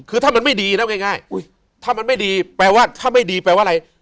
คือถ้ามันไม่ดีนะง่ายถ้ามันไม่ดีแปลว่าอะไร